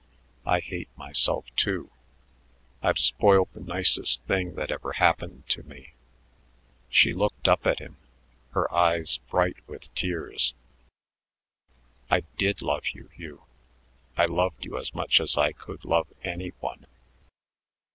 I hate myself, too. I've spoiled the nicest thing that ever happened to me." She looked up at him, her eyes bright with tears. "I did love you, Hugh. I loved you as much as I could love any one."